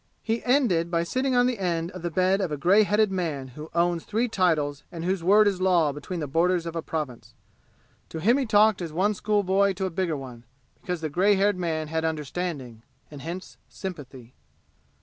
He ended by sitting on the end of the bed of a gray headed man who owns three titles and whose word is law between the borders of a province. To him he talked as one schoolboy to a bigger one, because the gray haired man had understanding, and hence sympathy.